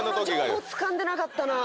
その情報つかんでなかったな。